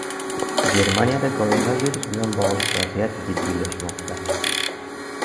Germaniyada koronavirus bilan bog‘liq vaziyat jiddiylashmoqda